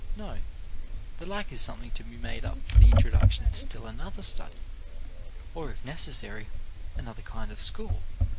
No, the lack is something to be made up for by the introduction of still another study, or, if necessary, another kind of school.